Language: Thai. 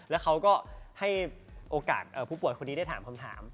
แล้วเขาก็ให้โอกาสผู้ป่วยคนนี้ได้ถามคำถาม